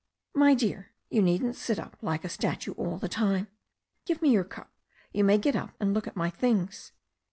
"My dear, you needn't sit up like a statue all the time. Give me your cup. You may get up and look at my things."